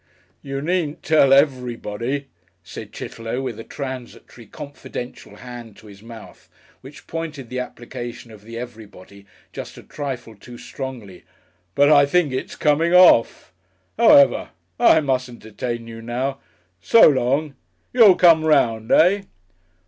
"You needn't tell everybody," said Chitterlow with a transitory, confidential hand to his mouth, which pointed the application of the "everybody" just a trifle too strongly. "But I think it's coming off. However . I mustn't detain you now. So long. You'll come 'round, eh?"